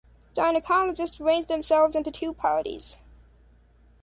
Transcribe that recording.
Gynecologists ranged themselves into two parties.